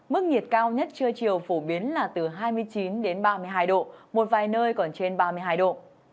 mức nhiệt cao nhất trưa chiều phổ biến là từ hai mươi chín ba mươi hai độ một vài nơi còn trên ba mươi hai độ